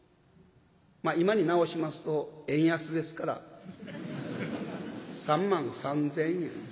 まあ今になおしますと円安ですから３万３，０００円。